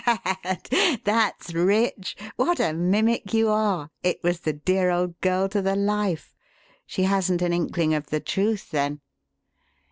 '" "Gad! that's rich. What a mimic you are. It was the dear old girl to the life. She hasn't an inkling of the truth, then?"